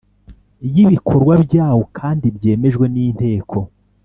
y ibikorwa byawo kandi byemejwe n Inteko